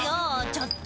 ちょっと。